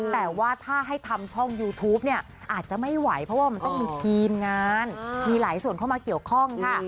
แต่ว่าถ้าให้ทำช่องยูทูปเนี่ยอาจจะไม่ไหวเพราะว่ามันต้องมีทีมงานมีหลายส่วนเข้ามาเกี่ยวข้องค่ะ